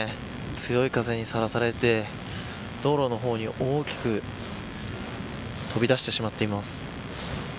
強い風にさらされて道路の方に大きく飛び出してしまっています。